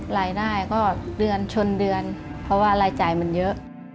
รายได้ก็เดือนชนเดือนเพราะว่ารายจ่ายมันเยอะ